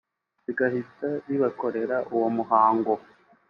rigahita ribakorera uwo muhango